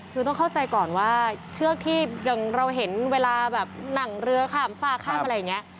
คือต้องเข้าใจก่อนว่าเชือกที่อย่างเราเห็นเวลาแบบหนังเรือข้ามฝ้าข้ามอะไรอย่างนี้